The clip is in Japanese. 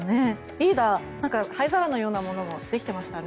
リーダー灰皿のようなものもできていましたね。